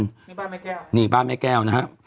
นี่บ้านแม่แก้วนี่บ้านแม่แก้วนะฮะ